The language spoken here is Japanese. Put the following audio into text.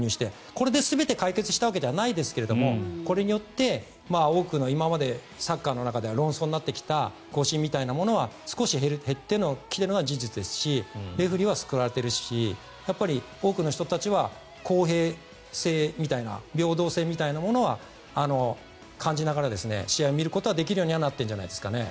これで全て解決したわけではないですがこれによって多くの今までサッカーの中では論争になってきた誤審が減ってきているのは事実ですしレフェリーは救われているしやっぱり多くの人たちは公平性みたいな平等性みたいなものは感じながら試合を見ることはできるようになっているんじゃないですかね。